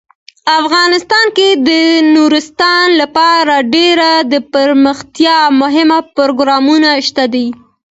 افغانستان کې د نورستان لپاره ډیر دپرمختیا مهم پروګرامونه شته دي.